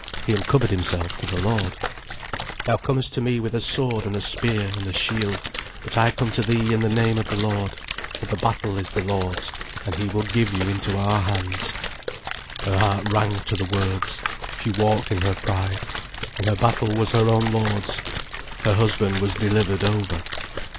He uncovered himself to the Lord. "Thou comest to me with a sword and a spear and a shield, but I come to thee in the name of the Lord:—for the battle is the Lord's, and he will give you into our hands." Her heart rang to the words. She walked in her pride. And her battle was her own Lord's, her husband was delivered over.